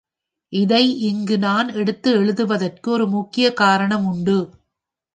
இதை இங்கு நான் எடுத்து எழுதுவதற்கு ஒரு முக்கியக் காரணம் உண்டு.